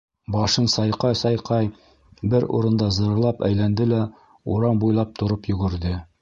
Башын сайҡай-сайҡай бер урында зырлап әйләнде лә урам буйлап тороп йүгерҙе.